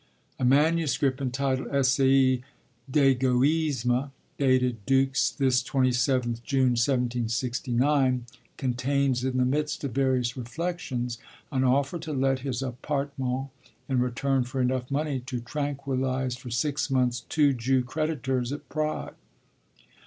A manuscript entitled Essai d'Égoïsme, dated, 'Dux, this 27th June, 1769,' contains, in the midst of various reflections, an offer to let his appartement in return for enough money to 'tranquillise for six months two Jew creditors at Prague.'